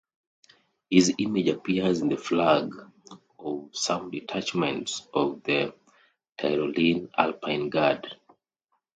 His image appears in the flag of some detachments of the Tyrolean Alpine Guard.